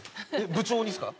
部長にですか？